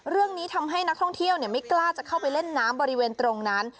เรื่องนี้ทำให้นักท่องเที่ยวไม่กล้าจะเข้าไปเล่นน้ำบริเวณตรงนั้น